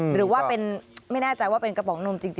หรือว่าไม่แน่ใจว่าเป็นกระป๋องนมจริง